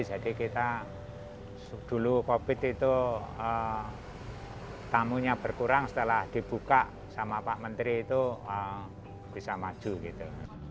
jadi kita dulu covid itu tamunya berkurang setelah dibuka sama pak menteri itu bisa maju gitu